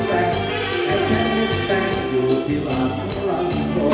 แสงแค่แท่นิดแปลงอยู่ที่หลังหลังตัว